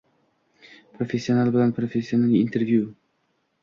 Professional bilan professional intervyu